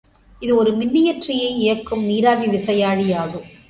இது ஒரு மின்னியற்றியை இயக்கும் நீராவி விசையாழி ஆகும்.